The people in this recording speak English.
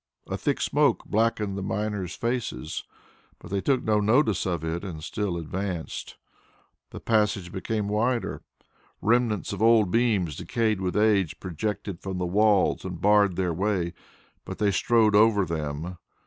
A thick smoke blackened the miners' faces, but they took no notice of it and still advanced. The passage became wider. Remnants of old beams, decayed with age, projected from the walls and barred their way, but they strode over them.